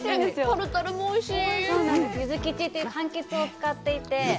タルタルもおいしい。